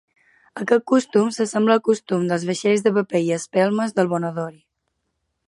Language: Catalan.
Aquest costum s'assembla al costum dels vaixells de paper i espelmes del Bon Odori.